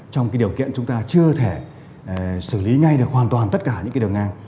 trong điều kiện chúng ta chưa thể xử lý ngay được hoàn toàn tất cả những đường ngang